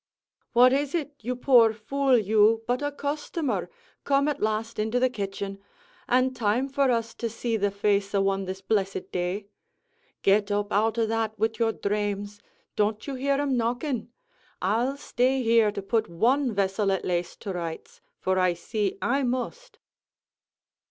"What is it, you poor fool, you, but a customer, come at last into the kitchen an' time for us to see the face o' one this blessed day. Get up out o' that, wid your dhrames don't you hear 'em knocking? I'll stay here to put one vessel at laste to rights for I see I must."